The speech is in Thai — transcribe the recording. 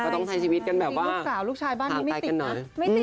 ต้องใช้ชีวิตกันแบบว่าห่างใต้กันหน่อย